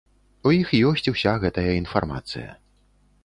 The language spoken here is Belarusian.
У іх ёсць уся гэтая інфармацыя.